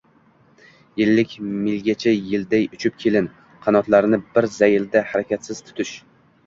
— ellik milgacha yelday uchib keyin qanotlarni bir zaylda harakatsiz tutish.